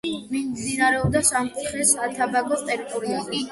მიმდინარეობდა სამცხე-საათაბაგოს ტერიტორიაზე.